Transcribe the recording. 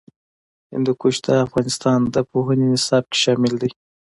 هندوکش د افغانستان د پوهنې نصاب کې شامل دي.